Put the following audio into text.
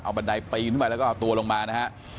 เอาบันไดปีนไปแล้วก็เอาตัวลงมานะครับ